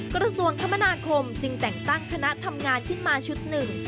กรุศวงค์คมนาคมจึงแต่งตั้งคณะท่ำงานชิดมาชุดหนึ่ง